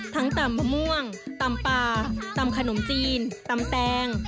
ทั้งต่ำปะม่วงต่ำปลาต่ำขนมจีนต่ำแตง